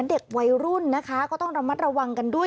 เด็กวัยรุ่นนะคะก็ต้องระมัดระวังกันด้วย